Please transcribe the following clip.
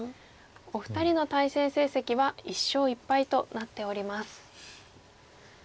お二人の対戦成績は１勝１敗となっております。